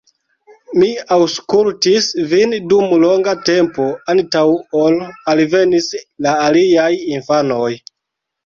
Mi aŭskultis vin dum longa tempo antaŭ ol alvenis la aliaj infanoj.